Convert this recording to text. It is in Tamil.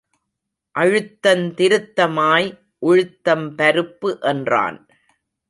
அழுத்தந் திருத்தமாய் உழுத்தம் பருப்பு என்றான்.